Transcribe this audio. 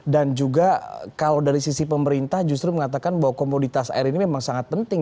dan juga kalau dari sisi pemerintah justru mengatakan bahwa komoditas air ini memang sangat penting